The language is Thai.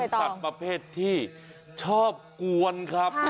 มันเป็นสัตว์ประเภทที่ชอบกวนครับ